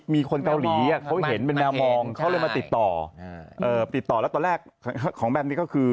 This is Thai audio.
มีคนเกาหลีเขาเห็นเป็นแมวมองเขาเลยมาติดต่อติดต่อแล้วตอนแรกของแมมนี้ก็คือ